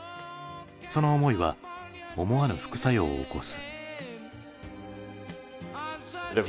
その思いは思わぬ副作用を起こす。